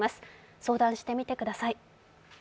相談してみてください。